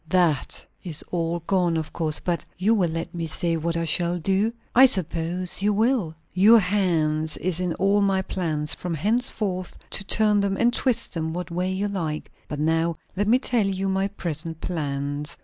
"That is all gone, of course. But " "You will let me say what you shall do?" "I suppose you will." "Your hand is in all my plans, from henceforth, to turn them and twist them what way you like. But now let me tell you my present plans.